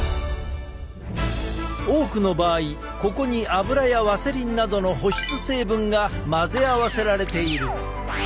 多くの場合ここに油やワセリンなどの保湿成分が混ぜ合わせられている。